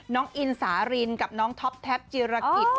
น้องอินสารินกับน้องทอปแทปจิรกิตค่ะ